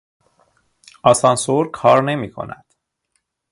آسانسور کار نمیکند.